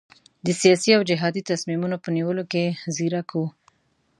د سیاسي او جهادي تصمیمونو په نیولو کې ځیرک وو.